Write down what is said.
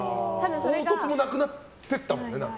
凹凸もなくなっていったもんね。